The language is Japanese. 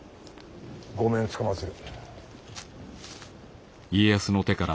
御免つかまつる。